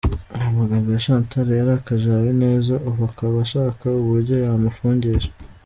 Ayo magambo ya Chantal yarakaje Habineza ubu akaba ashaka uburyo yamufungisha !